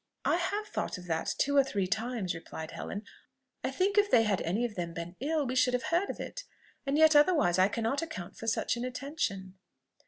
"I have thought of that two or three times," replied Helen. "I think, if they had any of them been ill, we should have heard it; and yet otherwise I cannot account for such inattention."